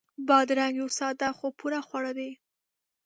بادرنګ یو ساده خو پوره خواړه دي.